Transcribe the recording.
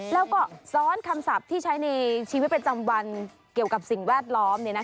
แล้วก็ซ้อนคำศัพท์ที่ใช้ในชีวิตประจำวันเกี่ยวกับสิ่งแวดล้อม